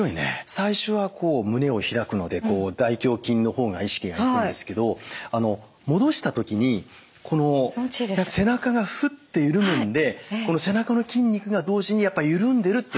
最初は胸を開くので大胸筋の方が意識がいくんですけど戻した時にこの背中がふって緩むんでこの背中の筋肉が同時に緩んでるって感じにもなりますよね。